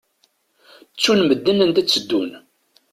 Ttun medden anda tteddun.